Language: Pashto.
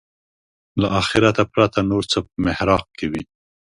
له آخرته پرته نور څه په محراق کې وي.